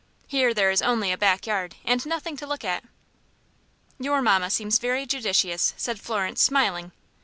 Here there is only a back yard, and nothing to look at." "Your mamma seems very judicious," said Florence, smiling.